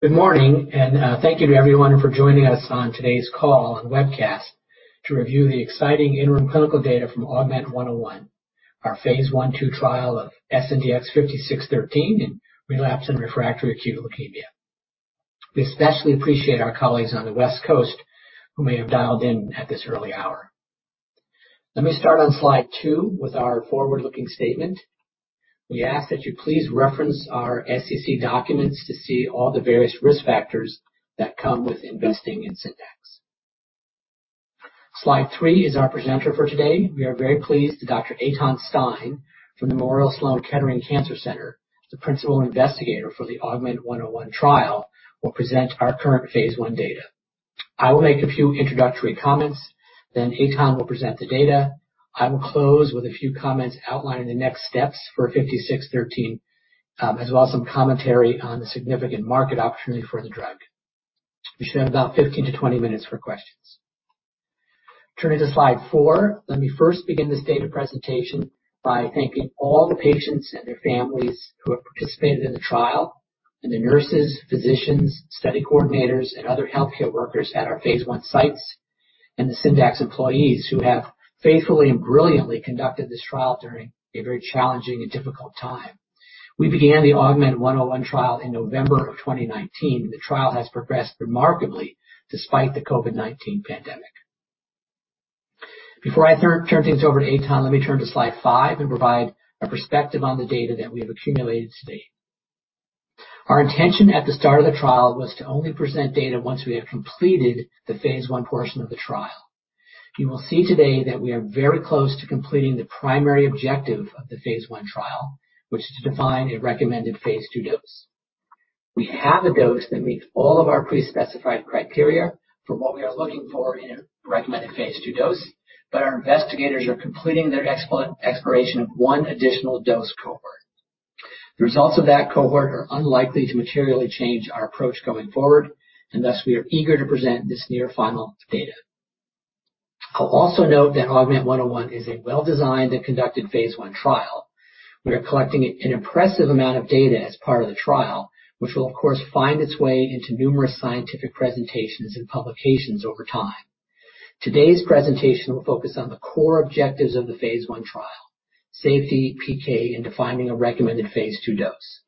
Good morning, and thank you to everyone for joining us on today's call and webcast to review the exciting interim clinical data from AUGMENT-101, our Phase I/II trial of SNDX-5613 in relapse and refractory acute leukemia. We especially appreciate our colleagues on the West Coast who may have dialed in at this early hour. Let me start on slide two with our forward-looking statement. We ask that you please reference our SEC documents to see all the various risk factors that come with investing in Syndax. Slide three is our presenter for today. We are very pleased that Dr. Eytan Stein from Memorial Sloan Kettering Cancer Center, the principal investigator for the AUGMENT-101 trial, will present our current Phase I data. I will make a few introductory comments, then Eytan will present the data. I will close with a few comments outlining the next steps for 5613, as well as some commentary on the significant market opportunity for the drug. We should have about 15 to 20 minutes for questions. Turning to slide four, let me first begin this data presentation by thanking all the patients and their families who have participated in the trial, and the nurses, physicians, study coordinators, and other healthcare workers at our phase I sites, and the Syndax employees who have faithfully and brilliantly conducted this trial during a very challenging and difficult time. We began the AUGMENT-101 trial in November of 2019. The trial has progressed remarkably despite the COVID-19 pandemic. Before I turn things over to Eytan, let me turn to slide five and provide a perspective on the data that we have accumulated to date. Our intention at the start of the trial was to only present data once we have completed the phase I portion of the trial. You will see today that we are very close to completing the primary objective of the phase I trial, which is to define a recommended phase II dose. We have a dose that meets all of our pre-specified criteria for what we are looking for in a recommended phase II dose, but our investigators are completing their exploration of one additional dose cohort. The results of that cohort are unlikely to materially change our approach going forward, and thus we are eager to present this near-final data. I'll also note that AUGMENT-101 is a well-designed and conducted phase I trial. We are collecting an impressive amount of data as part of the trial, which will, of course, find its way into numerous scientific presentations and publications over time. Today's presentation will focus on the core objectives of the phase I trial, safety, PK, and defining a recommended phase II dose.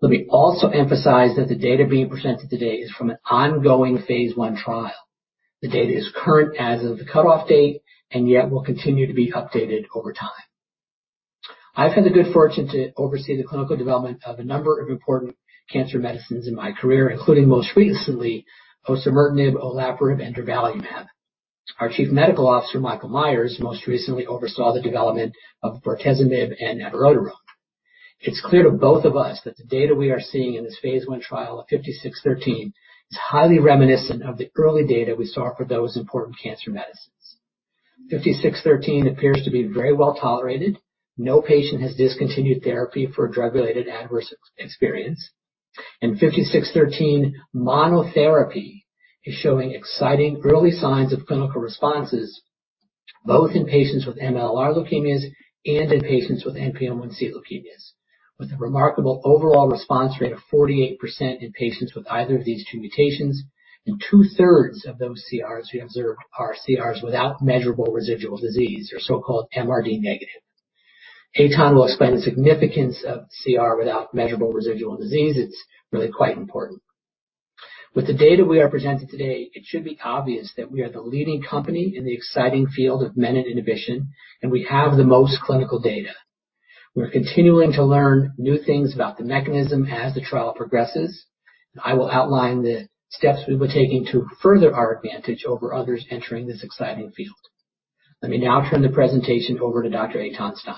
Let me also emphasize that the data being presented today is from an ongoing phase I trial. The data is current as of the cutoff date and yet will continue to be updated over time. I've had the good fortune to oversee the clinical development of a number of important cancer medicines in my career, including most recently, osimertinib, olaparib, and durvalumab. Our Chief Medical Officer, Michael Metzger, most recently oversaw the development of bortezomib and avelumab. It's clear to both of us that the data we are seeing in this phase I trial of 5613 is highly reminiscent of the early data we saw for those important cancer medicines. 5613 appears to be very well-tolerated. No patient has discontinued therapy for a drug-related adverse experience. 5613 monotherapy is showing exciting early signs of clinical responses, both in patients with MLL-r leukemias and in patients with NPM1c leukemias, with a remarkable overall response rate of 48% in patients with either of these two mutations and 2/3 of those CRs we observe are CRs without measurable residual disease or so-called MRD negative. Eytan will explain the significance of CR without measurable residual disease. It's really quite important. With the data we are presenting today, it should be obvious that we are the leading company in the exciting field of menin inhibition, and we have the most clinical data. We're continuing to learn new things about the mechanism as the trial progresses. I will outline the steps we'll be taking to further our advantage over others entering this exciting field. Let me now turn the presentation over to Dr. Eytan Stein.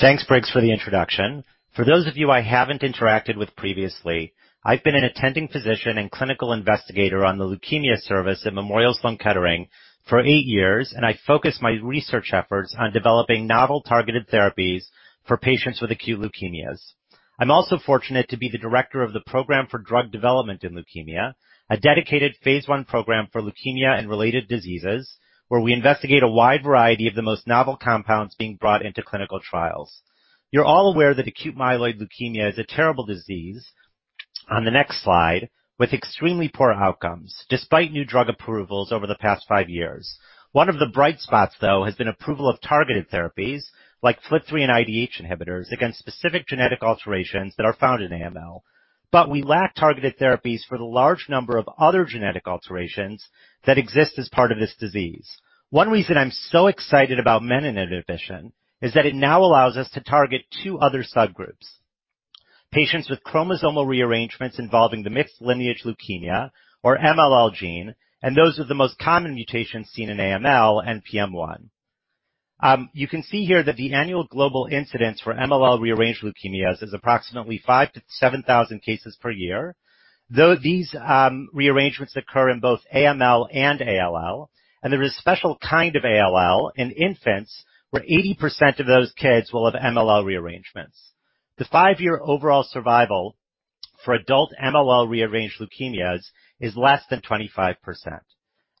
Thanks, Briggs, for the introduction. For those of you I haven't interacted with previously, I've been an attending physician and clinical investigator on the leukemia service at Memorial Sloan Kettering for eight years, and I focus my research efforts on developing novel targeted therapies for patients with acute leukemias. I'm also fortunate to be the director of the Program for Drug Development in Leukemia, a dedicated phase I program for leukemia and related diseases where we investigate a wide variety of the most novel compounds being brought into clinical trials. You're all aware that acute myeloid leukemia is a terrible disease, on the next slide, with extremely poor outcomes, despite new drug approvals over the past five years. One of the bright spots, though, has been approval of targeted therapies like FLT3 and IDH inhibitors against specific genetic alterations that are found in AML. We lack targeted therapies for the large number of other genetic alterations that exist as part of this disease. One reason I'm so excited about menin inhibition is that it now allows us to target two other subgroups. Patients with chromosomal rearrangements involving the mixed lineage leukemia or MLL gene, those are the most common mutations seen in AML and NPM1. You can see here that the annual global incidence for MLL-rearranged leukemias is approximately 5,000-7,000 cases per year. Though these rearrangements occur in both AML and ALL, there is special kind of ALL in infants where 80% of those kids will have MLL rearrangements. The five-year overall survival for adult MLL-rearranged leukemias is less than 25%.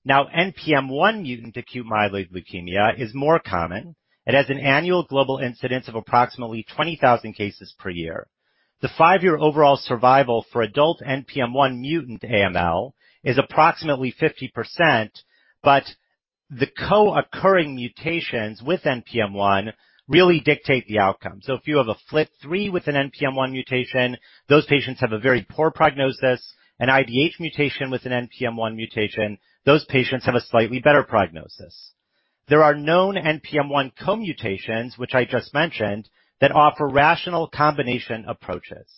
NPM1 mutant Acute Myeloid Leukemia is more common. It has an annual global incidence of approximately 20,000 cases per year. The five-year overall survival for adult NPM1 mutant AML is approximately 50%, the co-occurring mutations with NPM1 really dictate the outcome. If you have a FLT3 with an NPM1 mutation, those patients have a very poor prognosis. An IDH mutation with an NPM1 mutation, those patients have a slightly better prognosis. There are known NPM1 co-mutations, which I just mentioned, that offer rational combination approaches.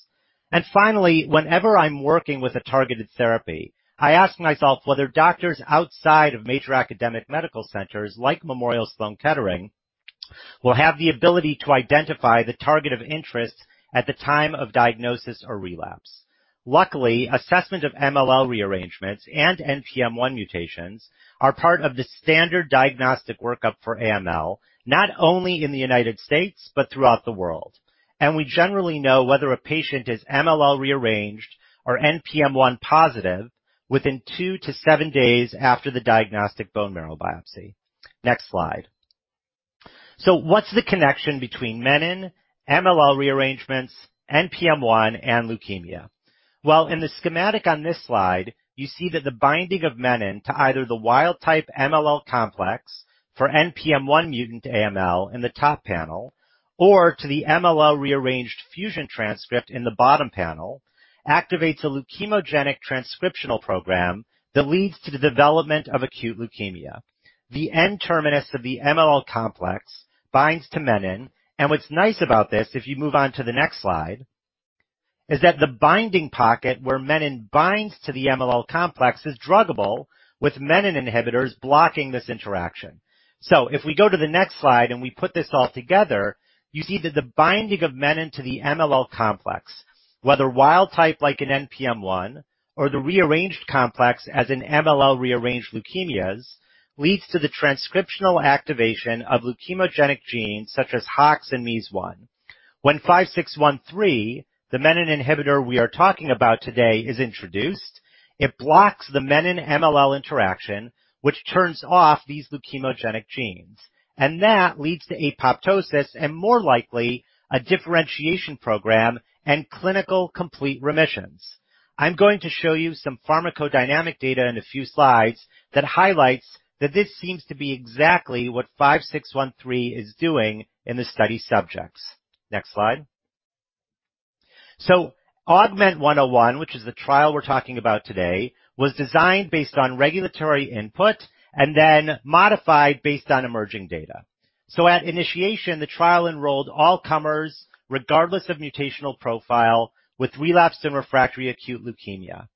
Finally, whenever I'm working with a targeted therapy, I ask myself whether doctors outside of major academic medical centers like Memorial Sloan Kettering will have the ability to identify the target of interest at the time of diagnosis or relapse. Luckily, assessment of MLL rearrangements and NPM1 mutations are part of the standard diagnostic workup for AML, not only in the U.S. but throughout the world. We generally know whether a patient is MLL rearranged or NPM1 positive within two to seven days after the diagnostic bone marrow biopsy. Next slide. What's the connection between menin, MLL rearrangements, NPM1, and leukemia? In the schematic on this slide, you see that the binding of menin to either the wild-type MLL complex for NPM1 mutant AML in the top panel, or to the MLL rearranged fusion transcript in the bottom panel, activates a leukemogenic transcriptional program that leads to the development of acute leukemia. The N-terminus of the MLL complex binds to menin, and what's nice about this, if you move on to the next slide, is that the binding pocket where menin binds to the MLL complex is druggable, with menin inhibitors blocking this interaction. If we go to the next slide and we put this all together, you see that the binding of menin to the MLL complex, whether wild-type like an NPM1 or the rearranged complex as in MLL-rearranged leukemias, leads to the transcriptional activation of leukemogenic genes such as HOX and MEIS1. When 5613, the menin inhibitor we are talking about today, is introduced, it blocks the menin MLL interaction, which turns off these leukemogenic genes, and that leads to apoptosis and more likely a differentiation program and clinical complete remissions. I'm going to show you some pharmacodynamic data in a few slides that highlights that this seems to be exactly what 5613 is doing in the study subjects. Next slide. AUGMENT-101, which is the trial we're talking about today, was designed based on regulatory input and then modified based on emerging data. At initiation, the trial enrolled all comers, regardless of mutational profile, with relapsed and refractory acute leukemia.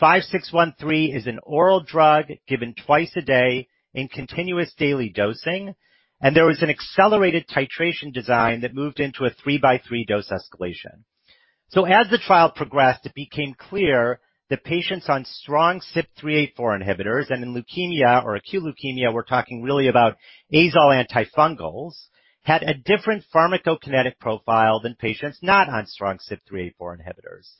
SNDX-5613 is an oral drug given twice a day in continuous daily dosing, and there was an accelerated titration design that moved into a 3-by-3 dose escalation. As the trial progressed, it became clear that patients on strong CYP3A4 inhibitors, and in leukemia or acute leukemia we're talking really about azole antifungals, had a different pharmacokinetic profile than patients not on strong CYP3A4 inhibitors.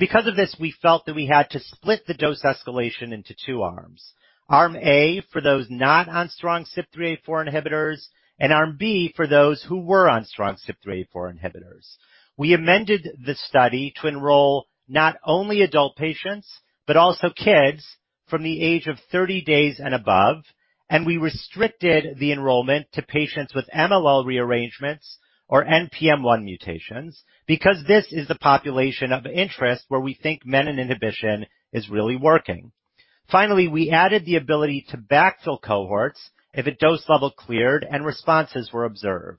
Because of this, we felt that we had to split the dose escalation into two arms. Arm A for those not on strong CYP3A4 inhibitors and Arm B for those who were on strong CYP3A4 inhibitors. We amended the study to enroll not only adult patients but also kids from the age of 30 days and above. We restricted the enrollment to patients with MLL rearrangements or NPM1 mutations because this is the population of interest where we think menin inhibition is really working. Finally, we added the ability to backfill cohorts if a dose level cleared and responses were observed.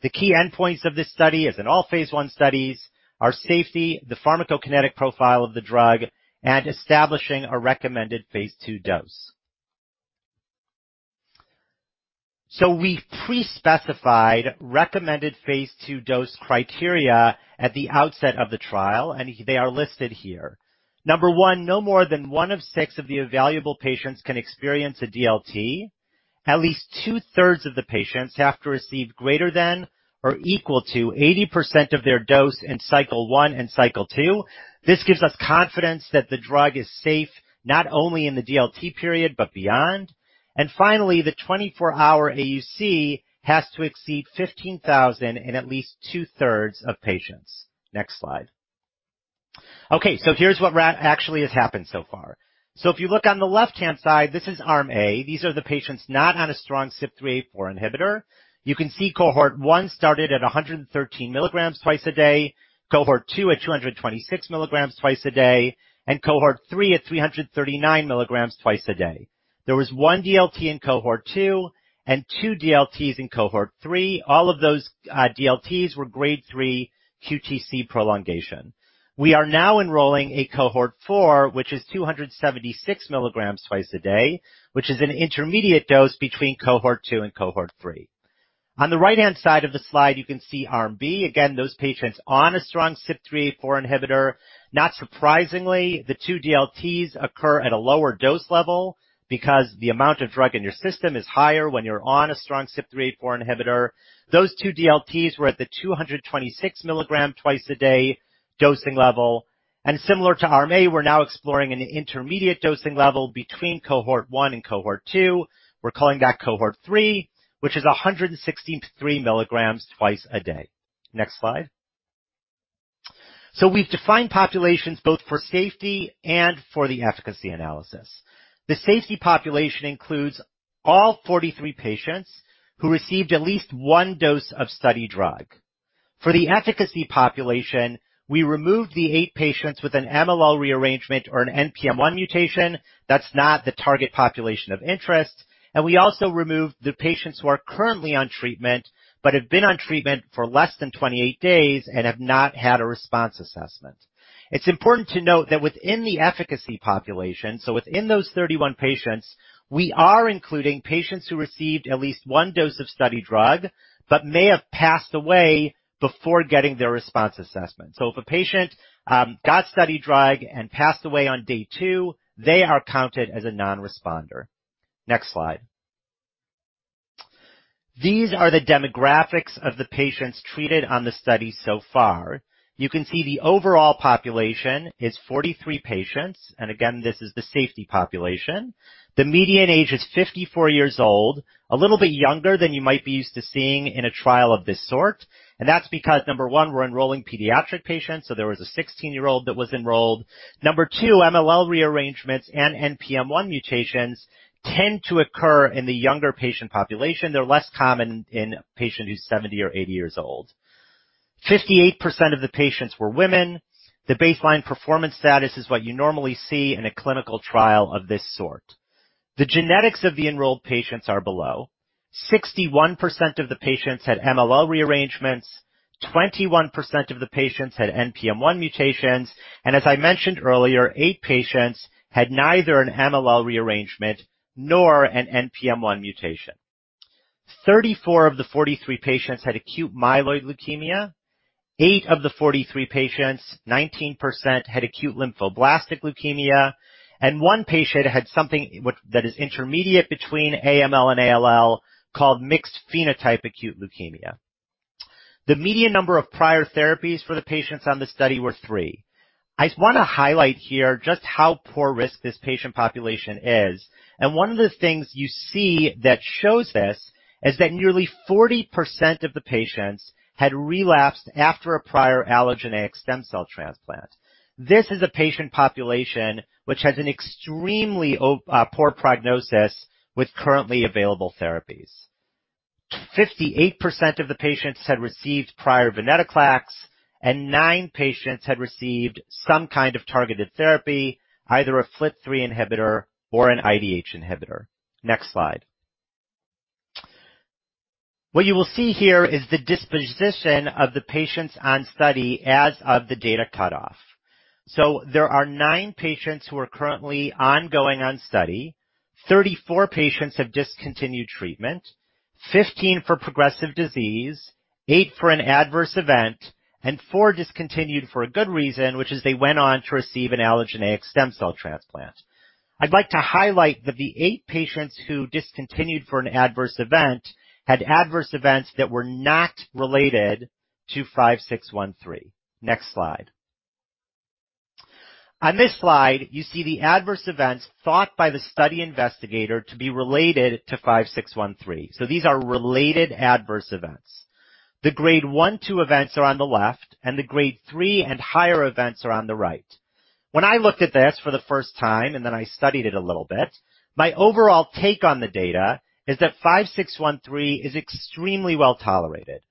The key endpoints of this study, as in all phase I studies, are safety, the pharmacokinetic profile of the drug, and establishing a recommended phase II dose. We pre-specified recommended phase II dose criteria at the outset of the trial. They are listed here. Number one, no more than one of six of the evaluable patients can experience a DLT. At least two-thirds of the patients have to receive greater than or equal to 80% of their dose in cycle one and cycle two. This gives us confidence that the drug is safe not only in the DLT period but beyond. Finally, the 24-hour AUC has to exceed 15,000 in at least 2/3 of patients. Next slide. Here's what actually has happened so far. If you look on the left-hand side, this is Arm A. These are the patients not on a strong CYP3A4 inhibitor. You can see Cohort One started at 113 milligrams twice a day, Cohort Two at 226 milligrams twice a day, and Cohort Three at 339 milligrams twice a day. There was one DLT in Cohort Two and two DLTs in Cohort Three. All of those DLTs were Grade Three QTc prolongation. We are now enrolling a Cohort four, which is 276 milligrams twice a day, which is an intermediate dose between Cohort Two and Cohort Three. On the right-hand side of the slide, you can see Arm B, again, those patients on a strong CYP3A4 inhibitor. Not surprisingly, the two DLTs occur at a lower dose level because the amount of drug in your system is higher when you're on a strong CYP3A4 inhibitor. Those two DLTs were at the 226 milligram twice a day dosing level. Similar to Arm A, we're now exploring an intermediate dosing level between Cohort One and Cohort Two. We're calling that Cohort Three, which is 163 milligrams twice a day. Next slide. We've defined populations both for safety and for the efficacy analysis. The safety population includes all 43 patients who received at least one dose of study drug. For the efficacy population, we removed the eight patients with an MLL rearrangement or an NPM1 mutation. That's not the target population of interest. We also removed the patients who are currently on treatment but have been on treatment for less than 28 days and have not had a response assessment. It's important to note that within the efficacy population, so within those 31 patients, we are including patients who received at least one dose of study drug but may have passed away before getting their response assessment. If a patient got study drug and passed away on day two, they are counted as a non-responder. Next slide. These are the demographics of the patients treated on the study so far. You can see the overall population is 43 patients, and again, this is the safety population. The median age is 54 years old, a little bit younger than you might be used to seeing in a trial of this sort. That's because, number one, we're enrolling pediatric patients, so there was a 16-year-old that was enrolled. Number two, MLL rearrangements and NPM1 mutations tend to occur in the younger patient population. They're less common in a patient who's 70 or 80 years old. 58% of the patients were women. The baseline performance status is what you normally see in a clinical trial of this sort. The genetics of the enrolled patients are below. 61% of the patients had MLL rearrangements, 21% of the patients had NPM1 mutations, and as I mentioned earlier, eight patients had neither an MLL rearrangement nor an NPM1 mutation. 34 of the 43 patients had acute myeloid leukemia. Eight of the 43 patients, 19%, had acute lymphoblastic leukemia, and one patient had something that is intermediate between AML and ALL called mixed-phenotype acute leukemia. The median number of prior therapies for the patients on the study were three. I want to highlight here just how poor risk this patient population is, and one of the things you see that shows this is that nearly 40% of the patients had relapsed after a prior allogeneic stem cell transplant. This is a patient population which has an extremely poor prognosis with currently available therapies. 58% of the patients had received prior venetoclax, and nine patients had received some kind of targeted therapy, either a FLT3 inhibitor or an IDH inhibitor. Next slide. What you will see here is the disposition of the patients on study as of the data cutoff. There are nine patients who are currently ongoing on study. 34 patients have discontinued treatment, 15 for progressive disease, eight for an adverse event, and four discontinued for a good reason, which is they went on to receive an allogeneic stem cell transplant. I'd like to highlight that the eight patients who discontinued for an adverse event had adverse events that were not related to 5613. Next slide. On this slide, you see the adverse events thought by the study investigator to be related to 5613. These are related adverse events. The grade one, two events are on the left, and the grade three and higher events are on the right. When I looked at this for the first time, and then I studied it a little bit, my overall take on the data is that 5613 is extremely well-tolerated.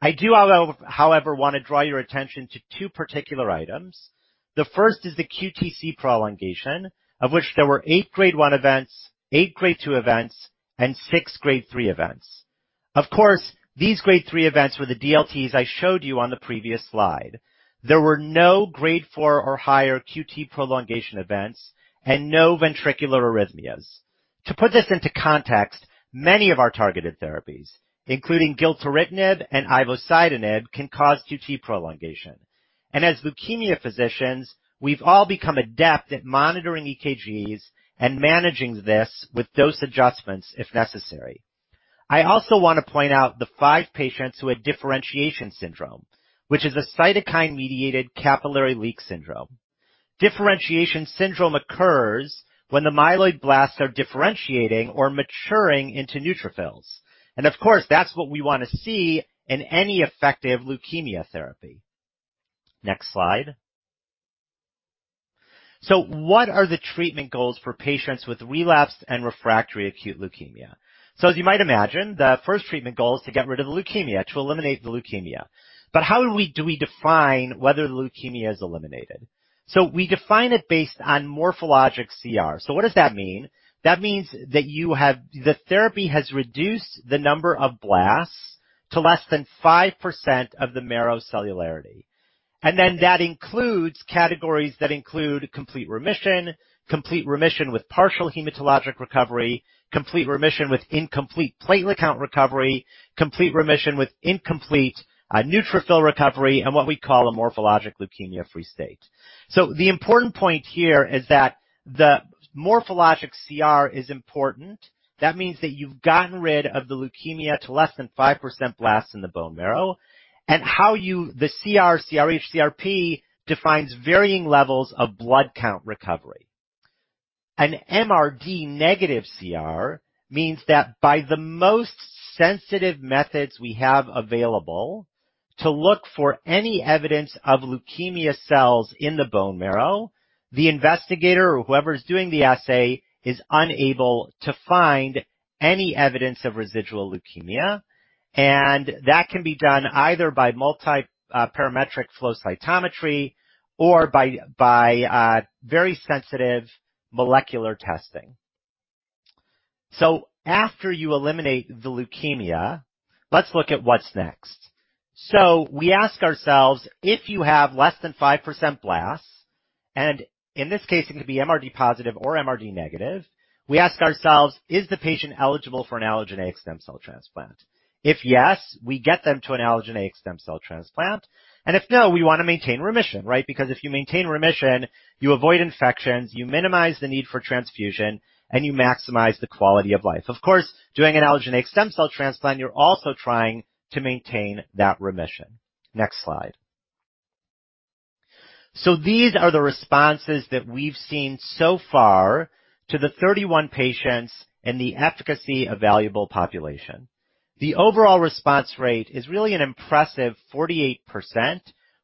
I do, however, want to draw your attention to two particular items. The first is the QTc prolongation, of which there were eight grade-one events, eight grade-two events, and six grade-three events. Of course, these grade-three events were the DLTs I showed you on the previous slide. There were no grade-four or higher QT prolongation events and no ventricular arrhythmias. To put this into context, many of our targeted therapies, including gilteritinib and ivosidenib, can cause QT prolongation. As leukemia physicians, we've all become adept at monitoring EKGs and managing this with dose adjustments if necessary. I also want to point out the five patients who had differentiation syndrome, which is a cytokine-mediated capillary leak syndrome. Differentiation syndrome occurs when the myeloid blasts are differentiating or maturing into neutrophils. Of course, that's what we want to see in any effective leukemia therapy. Next slide. What are the treatment goals for patients with relapsed and refractory acute leukemia? As you might imagine, the first treatment goal is to get rid of the leukemia, to eliminate the leukemia. How do we define whether the leukemia is eliminated? We define it based on morphologic CR. What does that mean? That means that the therapy has reduced the number of blasts to less than 5% of the marrow cellularity. That includes categories that include complete remission, complete remission with partial hematologic recovery, complete remission with incomplete platelet count recovery, complete remission with incomplete neutrophil recovery, and what we call a morphologic leukemia-free state. The important point here is that the morphologic CR is important. That means that you've gotten rid of the leukemia to less than 5% blasts in the bone marrow, and how the CR/CRh/CRp defines varying levels of blood count recovery. An MRD-negative CR means that by the most sensitive methods we have available to look for any evidence of leukemia cells in the bone marrow, the investigator or whoever's doing the assay is unable to find any evidence of residual leukemia, and that can be done either by multiparametric flow cytometry or by very sensitive molecular testing. After you eliminate the leukemia, let's look at what's next. We ask ourselves, if you have less than 5% blasts, and in this case, it can be MRD positive or MRD negative, we ask ourselves, Is the patient eligible for an allogeneic stem cell transplant? If yes, we get them to an allogeneic stem cell transplant, and if no, we want to maintain remission. Because if you maintain remission, you avoid infections, you minimize the need for transfusion, and you maximize the quality of life. Of course, doing an allogeneic stem cell transplant, you're also trying to maintain that remission. Next slide. These are the responses that we've seen so far to the 31 patients and the efficacy evaluable population. The overall response rate is really an impressive 48%,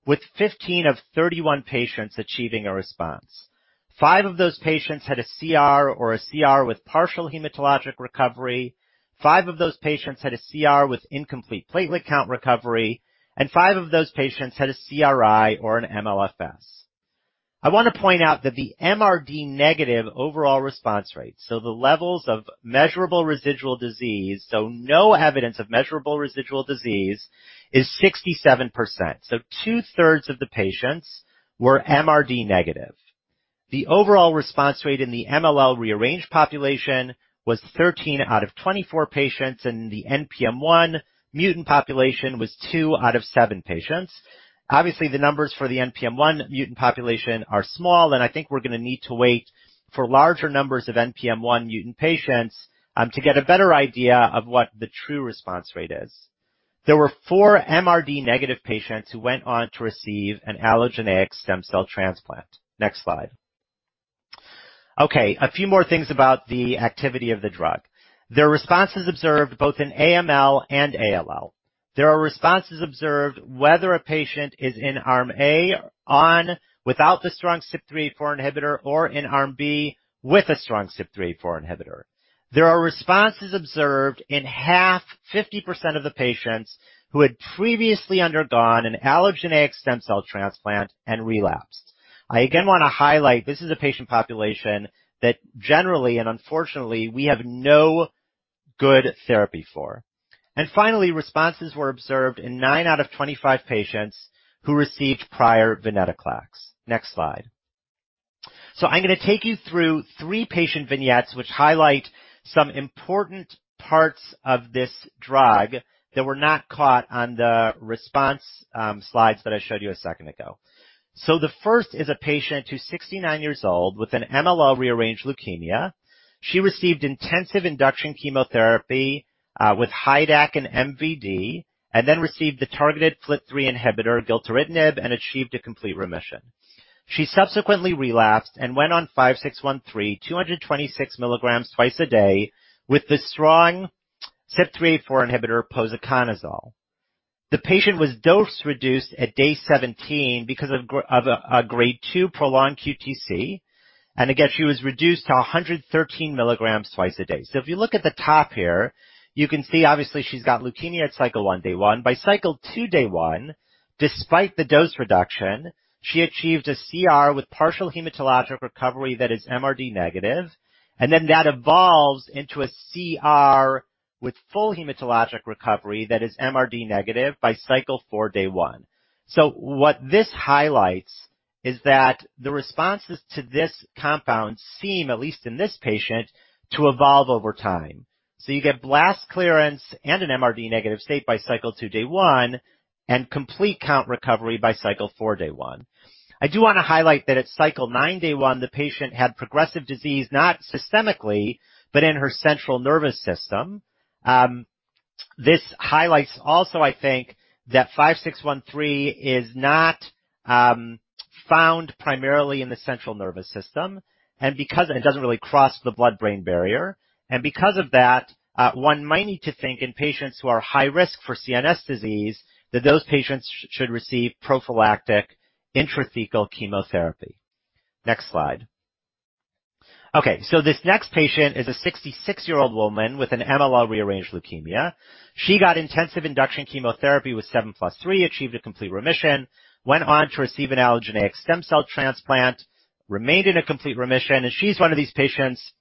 with 15 of 31 patients achieving a response. Five of those patients had a CR or a CR with partial hematologic recovery, five of those patients had a CR with incomplete platelet count recovery, and five of those patients had a CRi or an MLFS. I want to point out that the MRD negative overall response rate, so the levels of measurable residual disease, so no evidence of measurable residual disease, is 67%. Two-thirds of the patients were MRD negative. The overall response rate in the MLL-rearranged population was 13 out of 24 patients, the NPM1 mutant population was two out of seven patients. Obviously, the numbers for the NPM1 mutant population are small, I think we're going to need to wait for larger numbers of NPM1 mutant patients to get a better idea of what the true response rate is. There were four MRD negative patients who went on to receive an allogeneic stem cell transplant. Next slide. Okay, a few more things about the activity of the drug. There are responses observed both in AML and ALL. There are responses observed whether a patient is in arm A on without the strong CYP3A4 inhibitor or in arm B with a strong CYP3A4 inhibitor. There are responses observed in half, 50% of the patients who had previously undergone an allogeneic stem cell transplant and relapsed. I again want to highlight, this is a patient population that generally and unfortunately we have no good therapy for. Finally, responses were observed in nine out of 25 patients who received prior venetoclax. Next slide. I'm going to take you through three patient vignettes which highlight some important parts of this drug that were not caught on the response slides that I showed you a second ago. The first is a patient who's 69 years old with an MLL-rearranged leukemia. She received intensive induction chemotherapy with HiDAC and MVD and then received the targeted FLT3 inhibitor, gilteritinib, and achieved a complete remission. She subsequently relapsed and went on 5613, 226 milligrams twice a day with the strong CYP3A4 inhibitor, posaconazole. The patient was dose-reduced at day 17 because of a Grade two prolonged QTc, and again, she was reduced to 113 milligrams twice a day. If you look at the top here, you can see, obviously, she's got leukemia at Cycle one, day one. By Cycle two, day one, despite the dose reduction, she achieved a CR with partial hematologic recovery that is MRD negative, and then that evolves into a CR with full hematologic recovery that is MRD negative by Cycle four, day one. What this highlights is that the responses to this compound seem, at least in this patient, to evolve over time. You get blast clearance and an MRD negative state by Cycle two, day one, and complete count recovery by Cycle four, day one. I do want to highlight that at Cycle nine, day one, the patient had progressive disease, not systemically, but in her central nervous system. This highlights also, I think, that 5613 is not found primarily in the central nervous system and because it doesn't really cross the blood-brain barrier. Because of that, one might need to think in patients who are high risk for CNS disease, that those patients should receive prophylactic intrathecal chemotherapy. Next slide. This next patient is a 66-year-old woman with an MLL-rearranged leukemia. She got intensive induction chemotherapy with 7+3, achieved a complete remission, went on to receive an allogeneic stem cell transplant, remained in a complete remission, she's one of these patients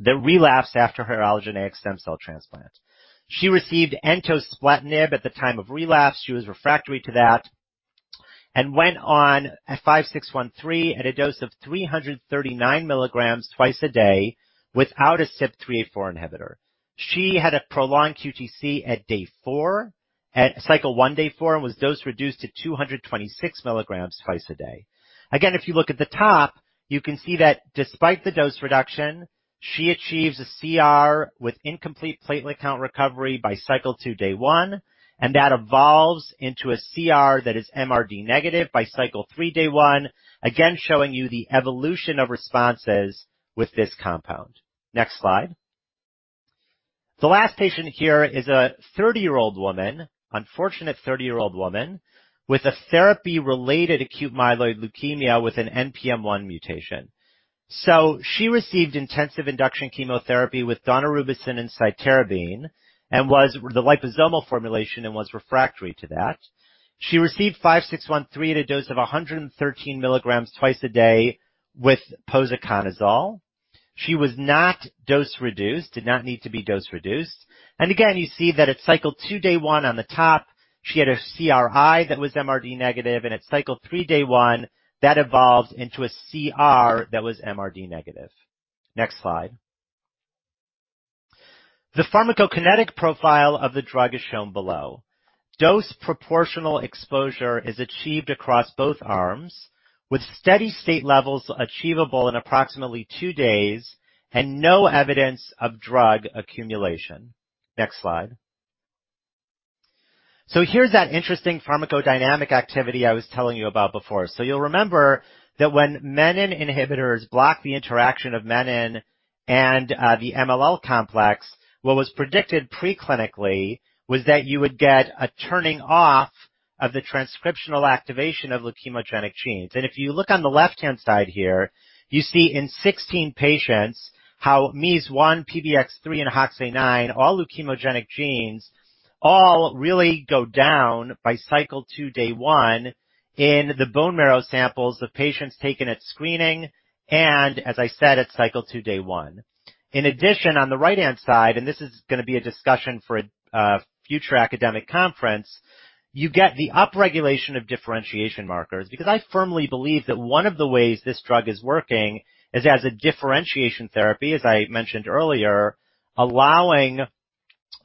that relapsed after her allogeneic stem cell transplant. She received entospletinib at the time of relapse. She was refractory to that, went on SNDX-5613 at a dose of 339 milligrams twice a day without a CYP3A4 inhibitor. She had a prolonged QTc at Cycle one, Day four, was dose-reduced to 226 milligrams twice a day. If you look at the top, you can see that despite the dose reduction, she achieves a CR with incomplete platelet count recovery by Cycle two, Day one, and that evolves into a CR that is MRD negative by Cycle three, Day one, again, showing you the evolution of responses with this compound. Next slide. The last patient here is a 30-year-old woman, unfortunate 30-year-old woman, with a therapy-related acute myeloid leukemia with an NPM1 mutation. She received intensive induction chemotherapy with daunorubicin and cytarabine, the liposomal formulation, and was refractory to that. She received SNDX-5613 at a dose of 113 milligrams twice a day with posaconazole. She was not dose-reduced, did not need to be dose-reduced. Again, you see that at Cycle two, Day one on the top, she had a CRi that was MRD negative, and at Cycle three, Day one, that evolved into a CR that was MRD negative. Next slide. The pharmacokinetic profile of the drug is shown below. Dose proportional exposure is achieved across both arms, with steady-state levels achievable in approximately two days and no evidence of drug accumulation. Next slide. Here's that interesting pharmacodynamic activity I was telling you about before. You'll remember that when menin inhibitors block the interaction of menin and the MLL complex, what was predicted preclinically was that you would get a turning off of the transcriptional activation of leukemogenic genes. If you look on the left-hand side here, you see in 16 patients how MEIS1, PBX3, and HOXA9, all leukemogenic genes, all really go down by Cycle 2, Day 1 in the bone marrow samples of patients taken at screening and, as I said, at Cycle two, Day one. In addition, on the right-hand side, and this is going to be a discussion for a future academic conference, you get the upregulation of differentiation markers because I firmly believe that one of the ways this drug is working is as a differentiation therapy, as I mentioned earlier, allowing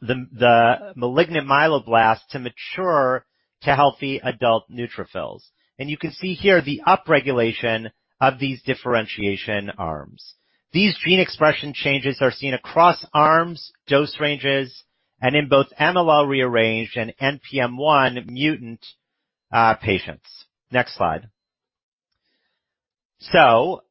the malignant myeloblast to mature to healthy adult neutrophils. You can see here the upregulation of these differentiation arms. These gene expression changes are seen across arms, dose ranges, and in both MLL-rearranged and NPM1 mutant patients. Next slide.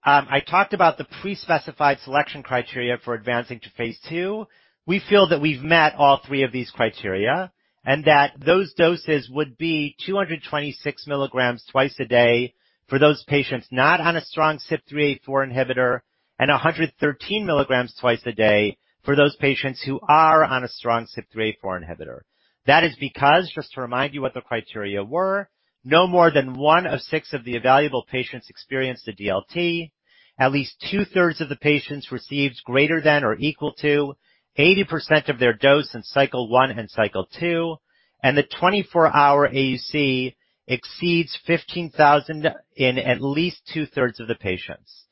I talked about the pre-specified selection criteria for advancing to phase II. We feel that we've met all three of these criteria and that those doses would be 226 milligrams twice a day for those patients not on a strong CYP3A4 inhibitor and 113 milligrams twice a day for those patients who are on a strong CYP3A4 inhibitor. That is because, just to remind you what the criteria were, no more than one of six of the evaluable patients experienced a DLT. At least 2/3 of the patients received greater than or equal to 80% of their dose in Cycle one and Cycle two, and the 24-hour AUC exceeds 15,000 in at least 2/3 of the patients.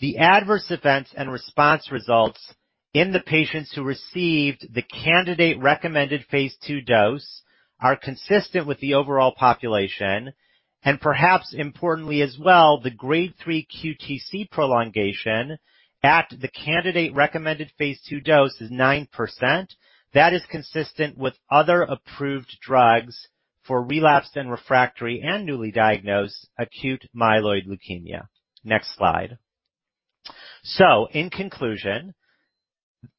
The adverse events and response results in the patients who received the candidate recommended phase II dose are consistent with the overall population, and perhaps importantly as well, the Grade 3 QTc prolongation at the candidate recommended phase II dose is 9%. That is consistent with other approved drugs for relapsed and refractory and newly diagnosed acute myeloid leukemia. Next slide. In conclusion,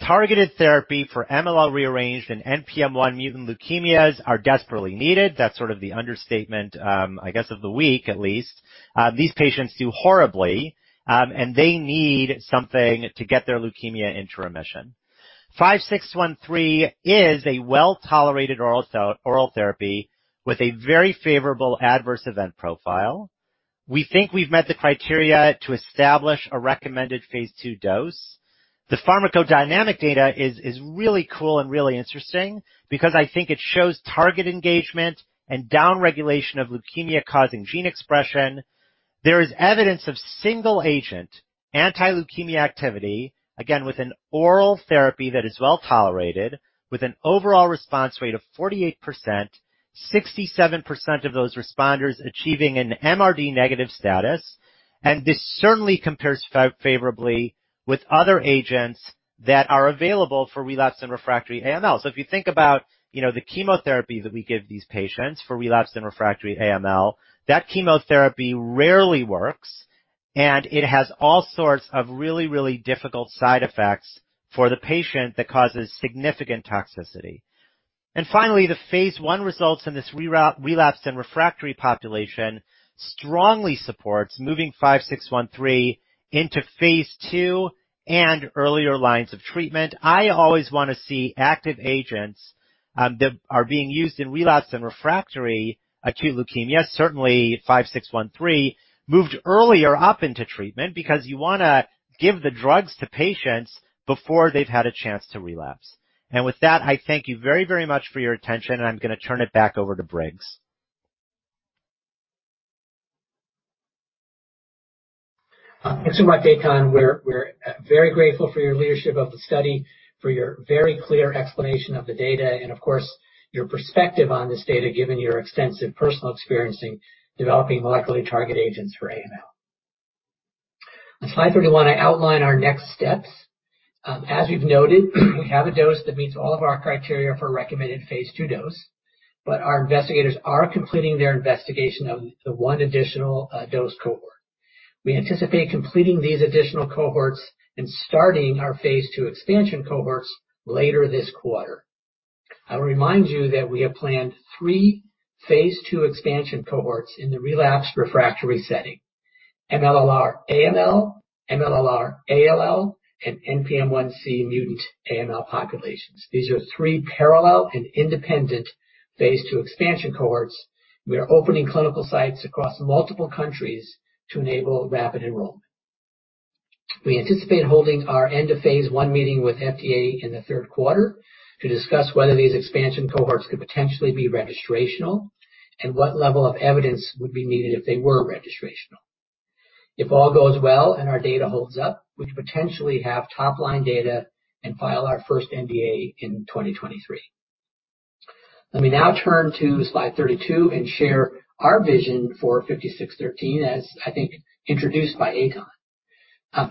targeted therapy for MLL-rearranged and NPM1 mutant leukemias are desperately needed. That's sort of the understatement, I guess, of the week, at least. These patients do horribly, and they need something to get their leukemia into remission. 5613 is a well-tolerated oral therapy with a very favorable adverse event profile. We think we've met the criteria to establish a recommended phase II dose. The pharmacodynamic data is really cool and really interesting because I think it shows target engagement and downregulation of leukemia-causing gene expression. There is evidence of single-agent anti-leukemia activity, again, with an oral therapy that is well-tolerated with an overall response rate of 48%, 67% of those responders achieving an MRD negative status. This certainly compares favorably with other agents that are available for relapse and refractory AML. If you think about the chemotherapy that we give these patients for relapse and refractory AML, that chemotherapy rarely works, and it has all sorts of really, really difficult side effects for the patient that causes significant toxicity. Finally, the phase I results in this relapsed and refractory population strongly supports moving SNDX-5613 into phase II and earlier lines of treatment. I always want to see active agents that are being used in relapse and refractory acute leukemia, certainly SNDX-5613, moved earlier up into treatment because you want to give the drugs to patients before they've had a chance to relapse. With that, I thank you very, very much for your attention, and I'm going to turn it back over to Briggs. Thanks so much, Eytan. We're very grateful for your leadership of the study, for your very clear explanation of the data, and of course, your perspective on this data, given your extensive personal experience in developing molecularly targeted agents for AML. On slide 31, I outline our next steps. As we've noted, we have a dose that meets all of our criteria for recommended phase II dose, but our investigators are completing their investigation of the one additional dose cohort. We anticipate completing these additional cohorts and starting our phase II expansion cohorts later this quarter. I'll remind you that we have planned three phase II expansion cohorts in the relapsed refractory setting, MLL-r AML, MLL-r ALL, and NPM1c mutant AML populations. These are three parallel and independent phase II expansion cohorts. We are opening clinical sites across multiple countries to enable rapid enrollment. We anticipate holding our end of phase I meeting with FDA in the third quarter to discuss whether these expansion cohorts could potentially be registrational and what level of evidence would be needed if they were registrational. If all goes well and our data holds up, we could potentially have top-line data and file our first NDA in 2023. Let me now turn to slide 32 and share our vision for 5613 as I think introduced by Eytan.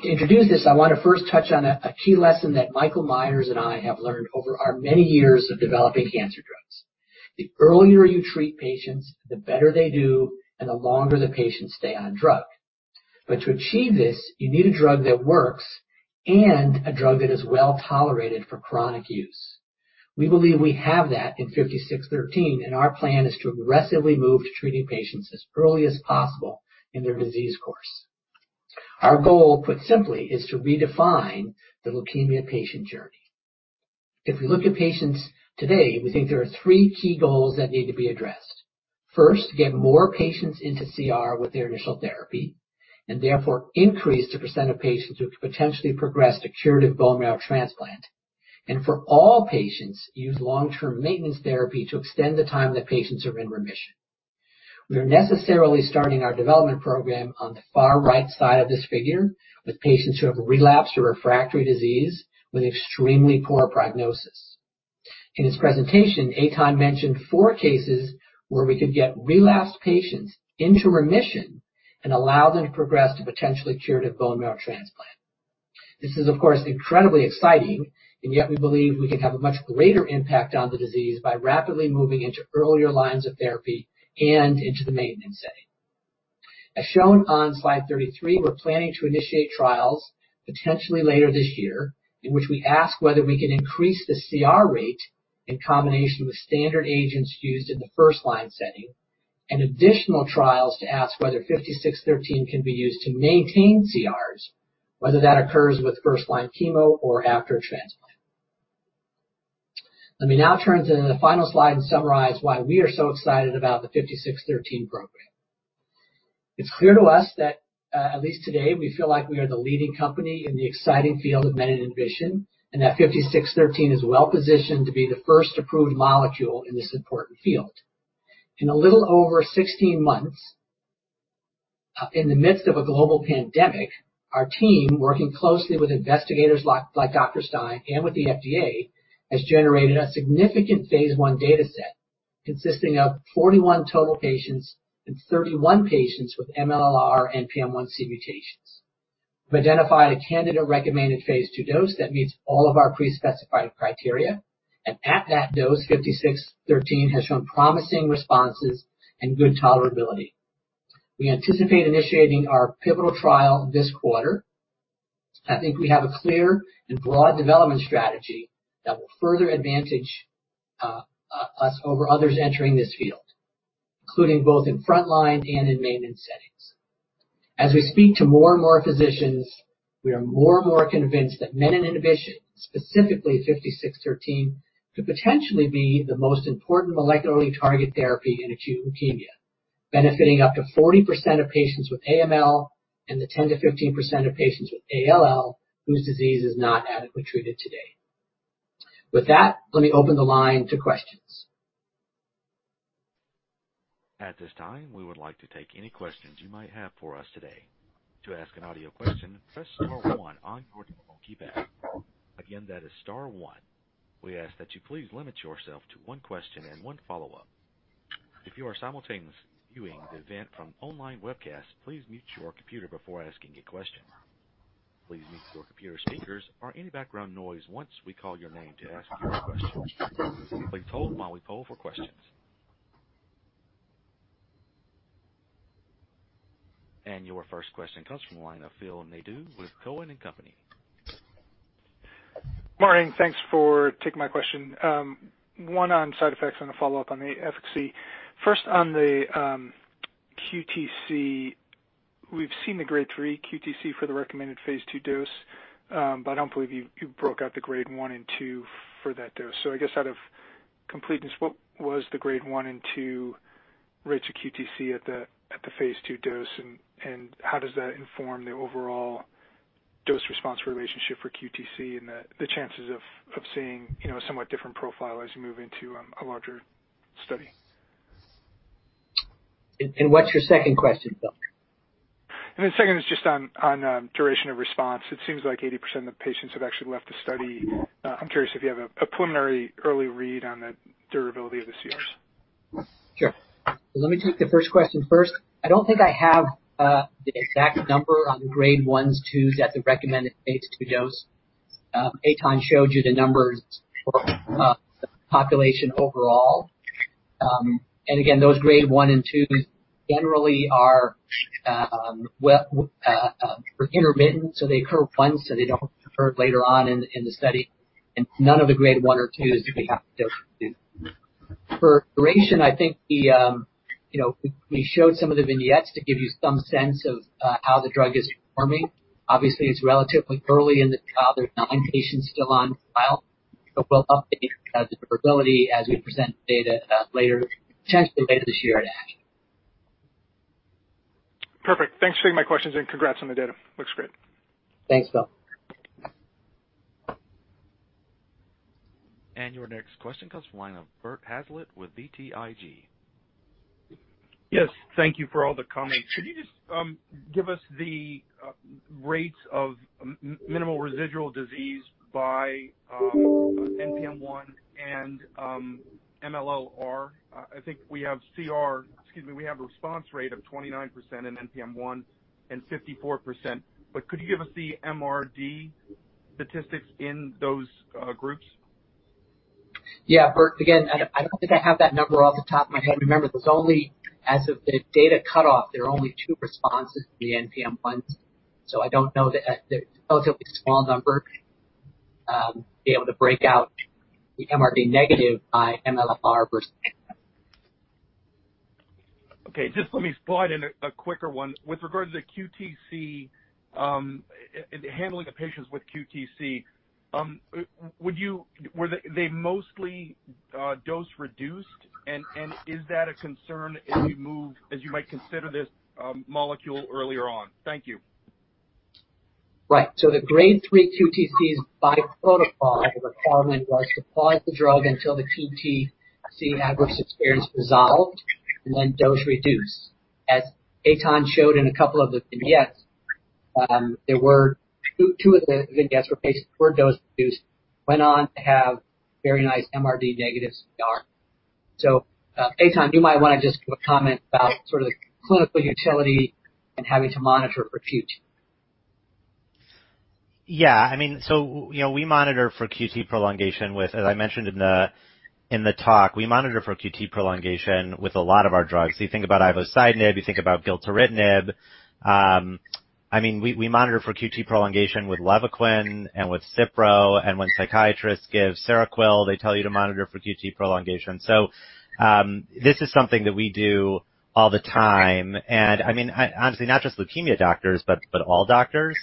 To introduce this, I want to first touch on a key lesson that Michael Metzger and I have learned over our many years of developing cancer drugs. The earlier you treat patients, the better they do, and the longer the patients stay on drug. To achieve this, you need a drug that works and a drug that is well-tolerated for chronic use. We believe we have that in SNDX-5613, our plan is to aggressively move to treating patients as early as possible in their disease course. Our goal, put simply, is to redefine the leukemia patient journey. If we look at patients today, we think there are three key goals that need to be addressed. First, get more patients into CR with their initial therapy, therefore increase the % of patients who could potentially progress to curative bone marrow transplant. For all patients, use long-term maintenance therapy to extend the time that patients are in remission. We are necessarily starting our development program on the far right side of this figure with patients who have relapsed or refractory disease with extremely poor prognosis. In his presentation, Eytan mentioned four cases where we could get relapsed patients into remission and allow them to progress to potentially curative bone marrow transplant. This is, of course, incredibly exciting, and yet we believe we could have a much greater impact on the disease by rapidly moving into earlier lines of therapy and into the maintenance setting. As shown on slide 33, we're planning to initiate trials potentially later this year in which we ask whether we can increase the CR rate in combination with standard agents used in the first-line setting, and additional trials to ask whether 5613 can be used to maintain CRs, whether that occurs with first-line chemo or after a transplant. Let me now turn to the final slide and summarize why we are so excited about the 5613 program. It's clear to us that, at least today, we feel like we are the leading company in the exciting field of menin inhibition, and that 5613 is well-positioned to be the first approved molecule in this important field. In a little over 16 months, in the midst of a global pandemic, our team, working closely with investigators like Dr. Stein and with the FDA, has generated a significant phase I data set consisting of 41 total patients and 31 patients with MLL-r NPM1c mutations. We've identified a candidate-recommended phase II dose that meets all of our pre-specified criteria. At that dose, SNDX-5613 has shown promising responses and good tolerability. We anticipate initiating our pivotal trial this quarter. I think we have a clear and broad development strategy that will further advantage us over others entering this field, including both in frontline and in maintenance settings. As we speak to more and more physicians, we are more and more convinced that menin inhibition, specifically 5613, could potentially be the most important molecularly targeted therapy in acute leukemia, benefiting up to 40% of patients with AML and the 10%-15% of patients with ALL whose disease is not adequately treated today. With that, let me open the line to questions. At this time we would like to take any questions you might have for us today to ask a question press star one on your telephone keypad, again star one. We ask that you please limit yourself to one question and one follow-up question. From online webcast please mute your computer before asking a question. Your first question comes from the line of Phil Nadeau with Cowen and Company. Morning. Thanks for taking my question. One on side effects and a follow-up on the efficacy. First on the QTc. We've seen the grade three QTc for the recommended phase II dose, but I don't believe you broke out the grade one and two for that dose. I guess out of completeness, what was the grade one and two rates of QTc at the phase II dose, and how does that inform the overall dose response relationship for QTc and the chances of seeing a somewhat different profile as you move into a larger study? What's your second question, Phil? The second is just on duration of response. It seems like 80% of the patients have actually left the study. I'm curious if you have a preliminary early read on the durability of the CRS. Sure. Let me take the first question first. I don't think I have the exact number on the grade ones, twos at the recommended phase II dose. Eytan showed you the numbers for the population overall. Again, those grade 1 and 2s generally are intermittent, so they occur once, so they don't occur later on in the study, and none of the grade one or twos do we have For duration, I think we showed some of the vignettes to give you some sense of how the drug is performing. Obviously, it's relatively early in the trial. There's nine patients still on trial, We'll update the durability as we present data potentially later this year at ASH. Perfect. Thanks for taking my questions, and congrats on the data. Looks great. Thanks, Phil. Your next question comes from the line of Bert Hazlett with BTIG. Yes. Thank you for all the comments. Could you just give us the rates of minimal residual disease by NPM1 and MLL-r? I think we have, excuse me, we have a response rate of 29% in NPM1 and 54%. Could you give us the MRD statistics in those groups? Yeah, Bert. Again, I don't think I have that number off the top of my head. Remember, as of the data cutoff, there are only two responses to the NPM1, so I don't know the relatively small number, be able to break out the MRD negative by MLL-r. Okay. Just let me slide in a quicker one. With regards to the QTc, handling the patients with QTc, were they mostly dose reduced and is that a concern as you might consider this molecule earlier on? Thank you. Right. The grade three QTcs by protocol, the requirement was to pause the drug until the QTc adverse experience resolved and then dose reduce. As Eytan showed in a couple of the vignettes, two of the vignettes were dose reduced, went on to have very nice MRD negative CR. Eytan, you might want to just give a comment about sort of the clinical utility and having to monitor for QT. Yeah. We monitor for QT prolongation with, as I mentioned in the talk, we monitor for QT prolongation with a lot of our drugs. You think about ivosidenib, you think about gilteritinib. We monitor for QT prolongation with Levaquin and with Cipro and when psychiatrists give Seroquel, they tell you to monitor for QT prolongation. This is something that we do all the time, and honestly, not just leukemia doctors, but all doctors.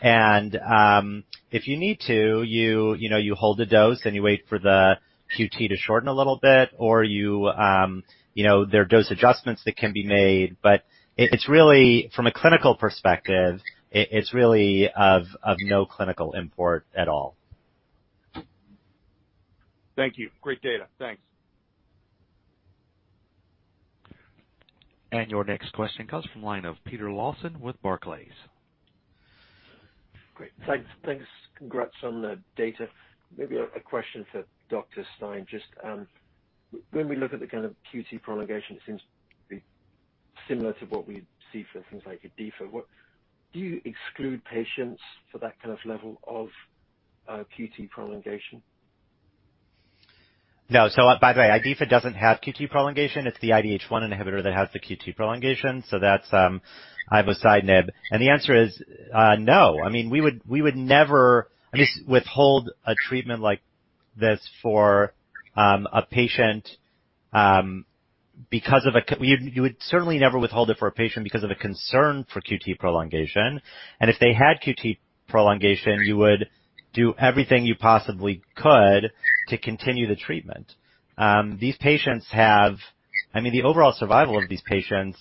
If you need to, you hold the dose and you wait for the QT to shorten a little bit, or there are dose adjustments that can be made. From a clinical perspective, it's really of no clinical import at all. Thank you. Great data. Thanks. Your next question comes from the line of Peter Lawson with Barclays. Great. Thanks. Congrats on the data. Maybe a question for Dr. Stein, just when we look at the kind of QT prolongation, it seems to be similar to what we see for things like IDHIFA. Do you exclude patients for that kind of level of QT prolongation? No. By the way, IDHIFA doesn't have QT prolongation. It's the IDH1 inhibitor that has the QT prolongation, so that's ivosidenib. The answer is no. We would never withhold a treatment like this for a patient. You would certainly never withhold it for a patient because of a concern for QT prolongation. If they had QT prolongation, you would do everything you possibly could to continue the treatment. The overall survival of these patients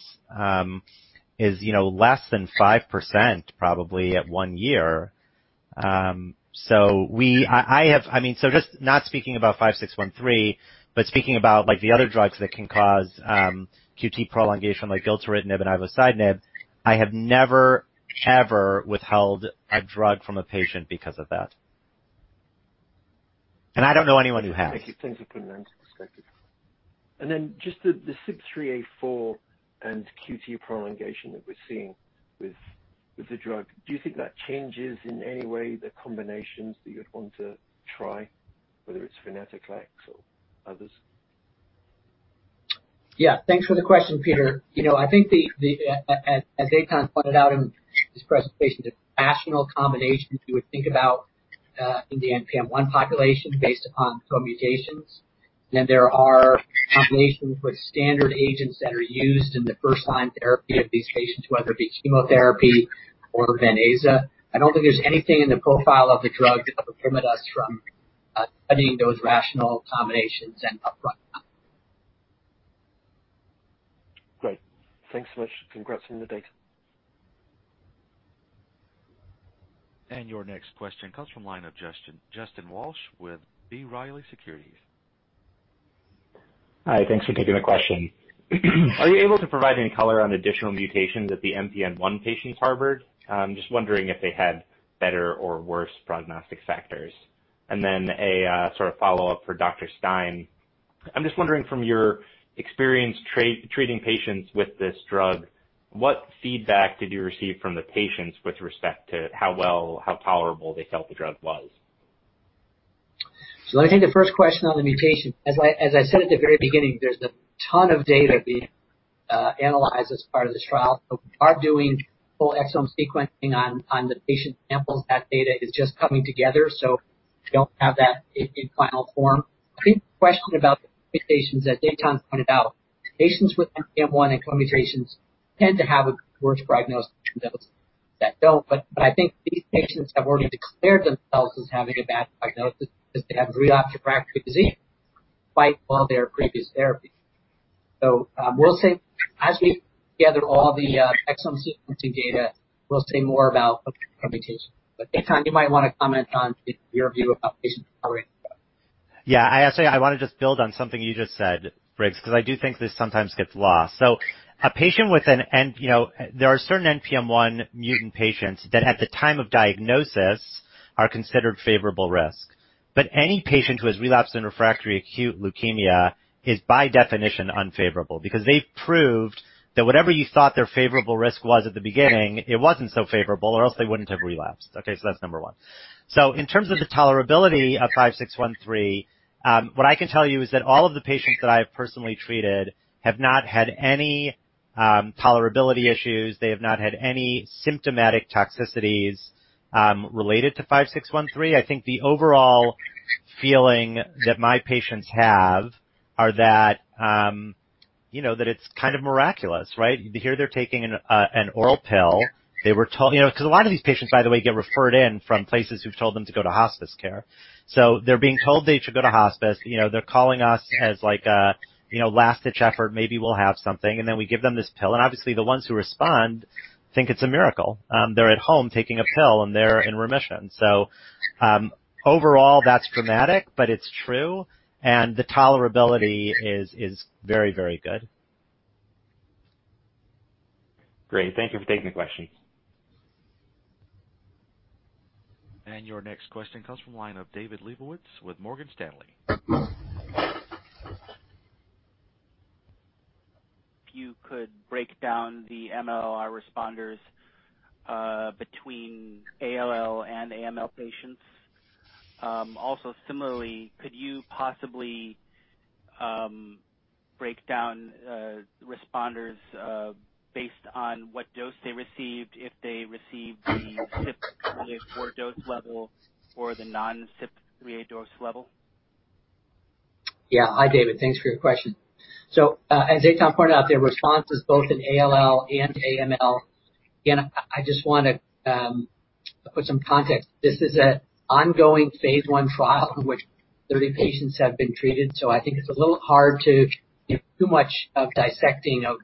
is less than 5% probably at one year. Just not speaking about 5613, but speaking about the other drugs that can cause QT prolongation, like gilteritinib and ivosidenib, I have never, ever withheld a drug from a patient because of that. I don't know anyone who has. Thank you. Thanks for putting that into perspective. Just the CYP3A4 and QT prolongation that we're seeing with the drug, do you think that changes in any way the combinations that you'd want to try, whether it's venetoclax or others? Yeah. Thanks for the question, Peter. I think as Eytan pointed out in his presentation, the rational combinations you would think about in the NPM1 population based upon co-mutations, and there are combinations with standard agents that are used in the first-line therapy of these patients, whether it be chemotherapy or Venclexta. I don't think there's anything in the profile of the drug that would prohibit us from studying those rational combinations and upfront. Great. Thanks so much. Congrats on the data. Your next question comes from line of Justin Walsh with B. Riley Securities. Hi. Thanks for taking the question. Are you able to provide any color on additional mutations that the NPM1 patients harbored? I'm just wondering if they had better or worse prognostic factors. Then a sort of follow-up for Dr. Stein. I'm just wondering from your experience treating patients with this drug, what feedback did you receive from the patients with respect to how well, how tolerable they felt the drug was? Let me take the first question on the mutation. As I said at the very beginning, there's a ton of data being analyzed as part of this trial, but we are doing full exome sequencing on the patient samples. That data is just coming together, so we don't have that in final form. Great question about the mutations that Eytan pointed out. Patients with NPM1 and co-mutations tend to have a worse prognosis than those that don't, but I think these patients have already declared themselves as having a bad prognosis because they have relapsed refractory disease despite all their previous therapies. We'll see. As we gather all the exome sequencing data, we'll say more about the mutation. Eytan, you might want to comment on your view about patient tolerating the drug. I want to just build on something you just said, Briggs, because I do think this sometimes gets lost. There are certain NPM1 mutant patients that, at the time of diagnosis, are considered favorable risk. Any patient who has relapsed and refractory acute leukemia is by definition unfavorable because they've proved that whatever you thought their favorable risk was at the beginning, it wasn't so favorable, or else they wouldn't have relapsed. That's number one. In terms of the tolerability of SNDX-5613, what I can tell you is that all of the patients that I have personally treated have not had any tolerability issues. They have not had any symptomatic toxicities related to SNDX-5613. I think the overall feeling that my patients have are that it's kind of miraculous, right? Here they're taking an oral pill. A lot of these patients, by the way, get referred in from places who've told them to go to hospice care. They're being told they should go to hospice. They're calling us as like a last-ditch effort, maybe we'll have something, and then we give them this pill. Obviously, the ones who respond think it's a miracle. They're at home taking a pill, and they're in remission. Overall, that's dramatic, but it's true, and the tolerability is very, very good. Great. Thank you for taking the question. Your next question comes from line of David Lebowitz with Morgan Stanley. If you could break down the MLLR responders between ALL and AML patients. Similarly, could you possibly break down responders based on what dose they received, if they received the CYP3A4 dose level or the non-CYP3A4 dose level? Yeah. Hi, David. Thanks for your question. As Eytan pointed out, there are responses both in ALL and AML. Again, I just want to put some context. This is an ongoing phase I trial in which 30 patients have been treated, I think it's a little hard to give too much of dissecting of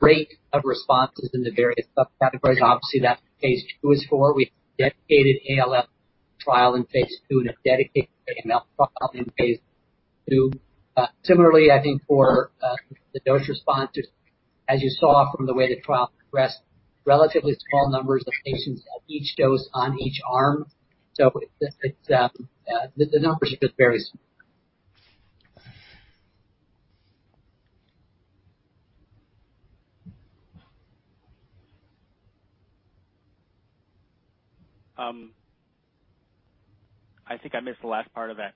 rate of responses in the various subcategories. Obviously, that's what phase II is for. We have a dedicated ALL trial in phase II and a dedicated AML trial in phase II. Similarly, I think for the dose responses, as you saw from the way the trial progressed, relatively small numbers of patients at each dose on each arm. The numbers are just very small. I think I missed the last part of that.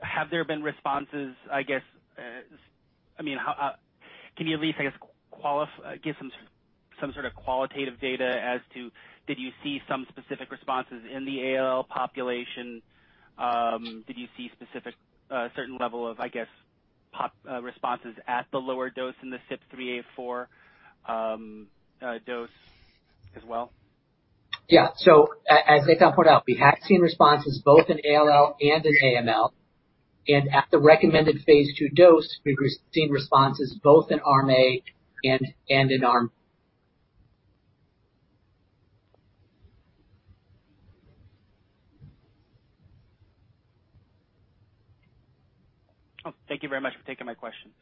Have there been responses, I guess? Can you at least give some sort of qualitative data as to did you see some specific responses in the ALL population? Did you see a certain level of, I guess, responses at the lower dose in the CYP3A4 dose as well? Yeah. As Eytan pointed out, we have seen responses both in ALL and in AML. At the recommended phase II dose, we've seen responses both in Arm A and in Arm B. Oh, thank you very much for taking my questions.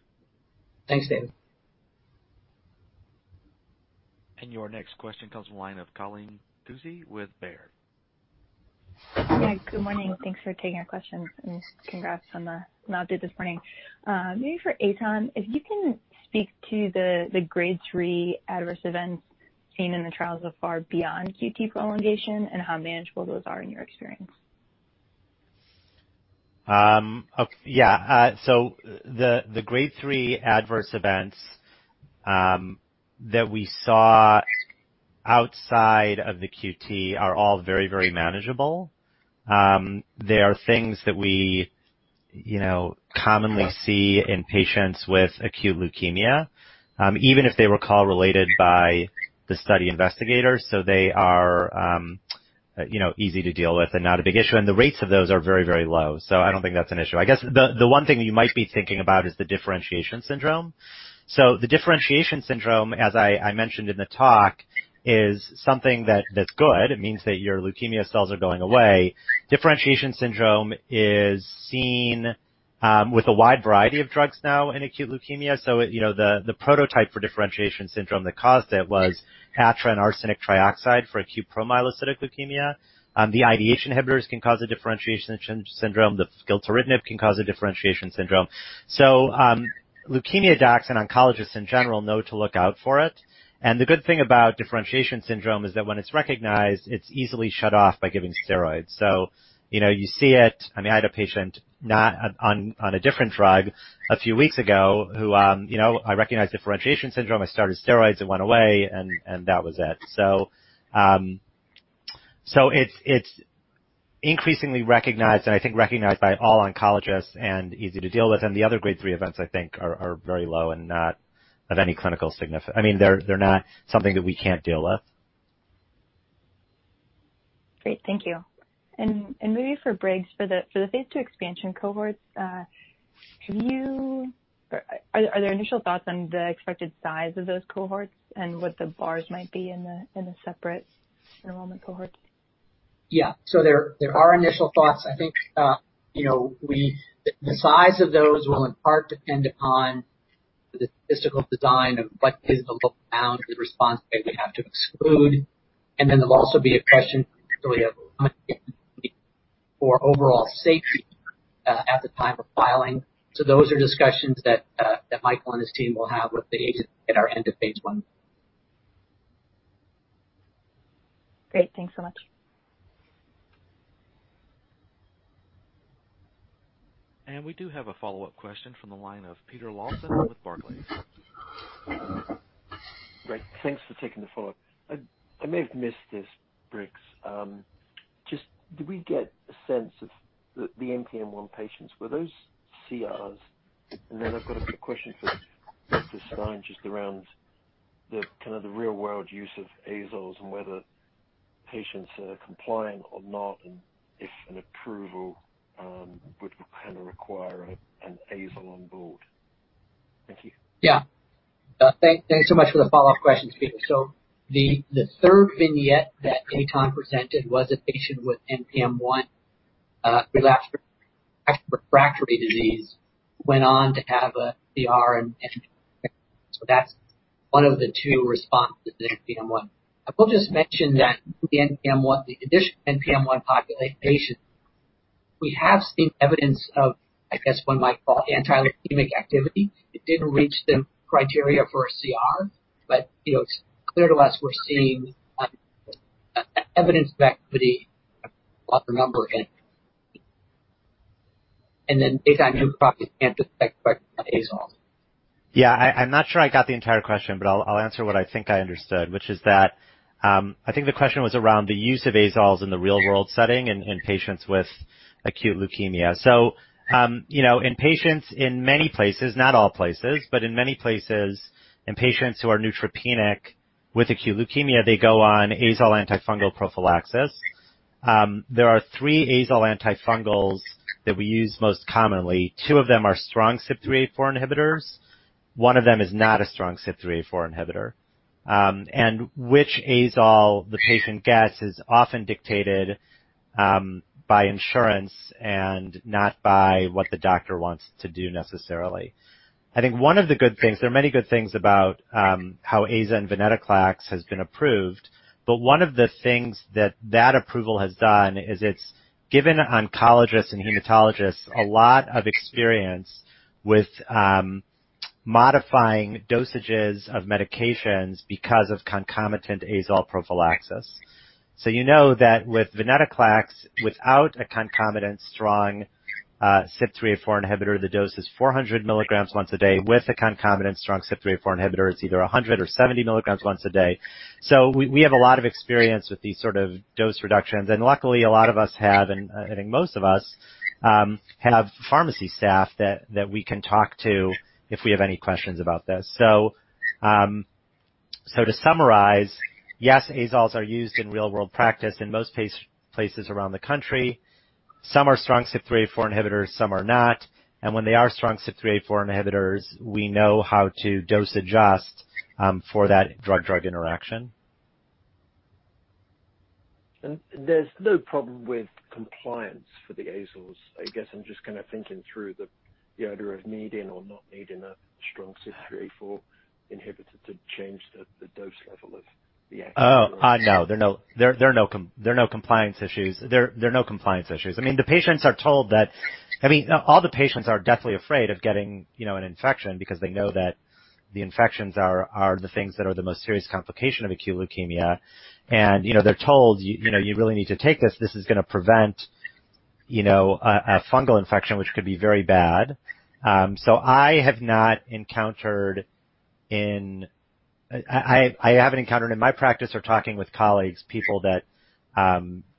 Thanks, David. Your next question comes from the line of Colleen Kusy with Baird. Yeah, good morning. Thanks for taking our question, and congrats on the news this morning. Maybe for Eytan, if you can speak to the Grade three adverse events seen in the trial so far beyond QT prolongation and how manageable those are in your experience. Yeah. The Grade 3 adverse events that we saw outside of the QT are all very, very manageable. They are things that we commonly see in patients with acute leukemia, even if they were casually related by the study investigators. They are easy to deal with and not a big issue. The rates of those are very low. I don't think that's an issue. I guess the one thing you might be thinking about is the differentiation syndrome. The differentiation syndrome, as I mentioned in the talk, is something that's good. It means that your leukemia cells are going away. Differentiation syndrome is seen with a wide variety of drugs now in acute leukemia. The prototype for differentiation syndrome that caused it was ATRA and arsenic trioxide for acute promyelocytic leukemia. The IDH inhibitors can cause a differentiation syndrome. The gilteritinib can cause a differentiation syndrome. Leukemia docs and oncologists in general know to look out for it. The good thing about differentiation syndrome is that when it's recognized, it's easily shut off by giving steroids. You see it, I had a patient on a different drug a few weeks ago who I recognized differentiation syndrome. I started steroids, it went away, and that was it. It's increasingly recognized, and I think recognized by all oncologists and easy to deal with. The other grade three events, I think are very low and not of any clinical significance. They're not something that we can't deal with. Great. Thank you. Maybe for Briggs, for the phase II expansion cohorts, are there initial thoughts on the expected size of those cohorts and what the bars might be in the separate enrollment cohorts? Yeah. There are initial thoughts. I think the size of those will in part depend upon the statistical design of what is the bound the response rate would have to exclude. Then there'll also be a question particularly of how much for overall safety at the time of filing. Those are discussions that Michael and his team will have with the agent at our end of phase I. Great. Thanks so much. We do have a follow-up question from the line of Peter Lawson with Barclays. Great. Thanks for taking the follow-up. I may have missed this, Briggs. Just do we get a sense of the NPM1 patients? Were those CRs? I've got a quick question for Dr. Stein, just around the kind of real-world use of azoles and whether patients are complying or not, and if an approval would kind of require an azole on board. Thank you. Yeah. Thanks so much for the follow-up questions, Peter. The third vignette that Eytan presented was a patient with NPM1 relapsed refractory disease, went on to have a CR and so that's one of the two responses to NPM1. I will just mention that in NPM1, the additional NPM1 population, we have seen evidence of, I guess one might call anti-leukemic activity. It didn't reach the criteria for a CR, but it's clear to us we're seeing evidence of activity off the revumenib. Eytan, you probably can't detect azoles. Yeah, I'm not sure I got the entire question, but I'll answer what I think I understood, which is that, I think the question was around the use of azoles in the real-world setting in patients with acute leukemia. In patients in many places, not all places, but in many places, in patients who are neutropenic with acute leukemia, they go on azole antifungal prophylaxis. There are three azole antifungals that we use most commonly. Two of them are strong CYP3A4 inhibitors. One of them is not a strong CYP3A4 inhibitor. Which azole the patient gets is often dictated by insurance and not by what the doctor wants to do necessarily. I think one of the good things, there are many good things about how azacitidine and venetoclax has been approved, but one of the things that that approval has done is it's given oncologists and hematologists a lot of experience with modifying dosages of medications because of concomitant azole prophylaxis. You know that with venetoclax, without a concomitant strong CYP3A4 inhibitor, the dose is 400 milligrams once a day. With a concomitant strong CYP3A4 inhibitor, it's either 100 or 70 milligrams once a day. We have a lot of experience with these sort of dose reductions, and luckily a lot of us have, and I think most of us have pharmacy staff that we can talk to if we have any questions about this. To summarize, yes, azoles are used in real-world practice in most places around the country. Some are strong CYP3A4 inhibitors, some are not. When they are strong CYP3A4 inhibitors, we know how to dose adjust for that drug interaction. There's no problem with compliance for the azoles. I guess I'm just kind of thinking through the idea of needing or not needing a strong CYP3A4 inhibitor to change the dose level of the azole. Oh, no. There are no compliance issues. There are no compliance issues. All the patients are deathly afraid of getting an infection because they know that the infections are the things that are the most serious complication of acute leukemia. They're told, You really need to take this. This is going to prevent a fungal infection, which could be very bad. I have not encountered in my practice or talking with colleagues, people that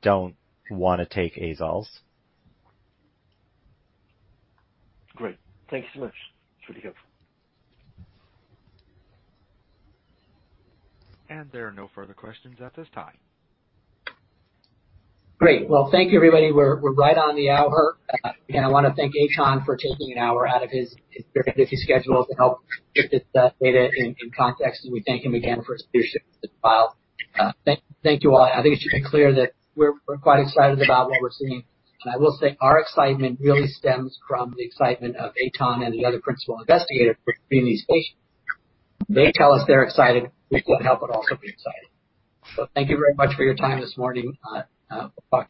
don't want to take azoles. Great. Thank you so much. It's really helpful. There are no further questions at this time. Great. Well, thank you, everybody. We're right on the hour. Again, I want to thank Eytan for taking an hour out of his very busy schedule to help put this data in context, and we thank him again for his leadership with the file. Thank you all. I think it should be clear that we're quite excited about what we're seeing. I will say our excitement really stems from the excitement of Eytan and the other principal investigators for treating these patients. They tell us they're excited, we can't help but also be excited. Thank you very much for your time this morning.